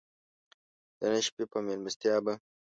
د نن شپې په مېلمستیا به.